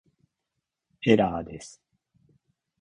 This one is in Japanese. エラーです